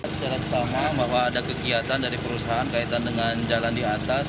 secara bersama bahwa ada kegiatan dari perusahaan kaitan dengan jalan di atas